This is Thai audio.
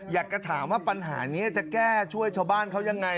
อยากจะถามว่าปัญหานี้จะแก้ช่วยชาวบ้านเขายังไง